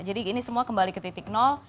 jadi ini semua kembali ke titik nol